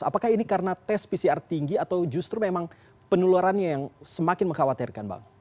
apakah ini karena tes pcr tinggi atau justru memang penularannya yang semakin mengkhawatirkan bang